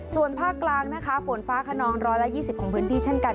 ส่วนภาคกลางนะคะฝนฟ้าขนอง๑๒๐ของพื้นที่เช่นกัน